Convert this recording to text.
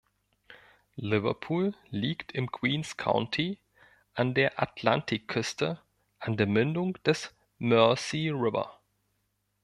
Liverpool liegt im Queens County an der Atlantikküste, an der Mündung des Mersey River.